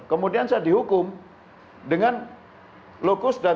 kemudian saya dihukum dengan lokus dan